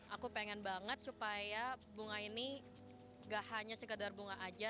aku pengen banget supaya bunga ini gak hanya sekedar bunga aja